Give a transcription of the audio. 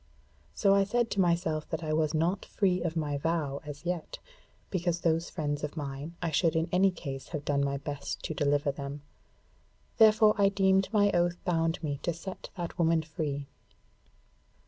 So I said to myself that I was not free of my vow as yet, because those friends of mine, I should in any case have done my best to deliver them: therefore I deemed my oath bound me to set that woman free.